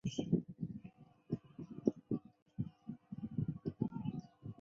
河西街道是中国山东省青岛市市北区下辖的一个街道。